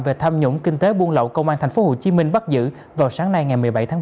về tham nhũng kinh tế buôn lậu công an tp hcm bắt giữ vào sáng nay ngày một mươi bảy tháng ba